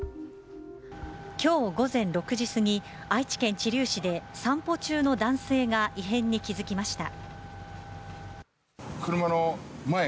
今日午前６時すぎ愛知県知立市で散歩中の男性が異変に気づきました。